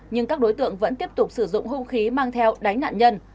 nhưng các đối tượng vẫn tiếp tục sử dụng hung khí mang theo đánh nạn nhân